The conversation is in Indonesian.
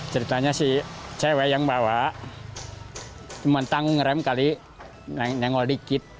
ceritanya si cewek yang bawa cuma tanggung rem kali nyengol dikit